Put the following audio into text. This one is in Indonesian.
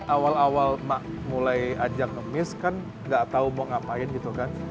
awal awal emak mulai ajak ngemis kan enggak tahu mau ngapain gitu kan